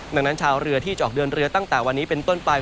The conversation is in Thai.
ดังนั้นชาวเรือที่จะออกเดินเรือตั้งแต่วันนี้เป็นต้นไป